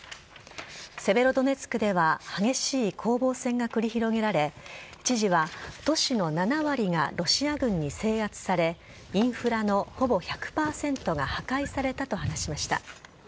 セベロドネツクでは激しい攻防戦が繰り広げられ知事は都市の７割がロシア軍に制圧されインフラのほぼ１００％が破壊されたと話しました。